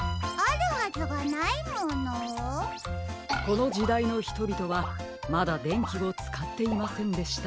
このじだいのひとびとはまだでんきをつかっていませんでした。